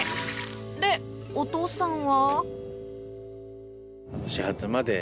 で、お父さんは？